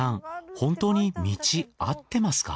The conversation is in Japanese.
本当に道あってますか？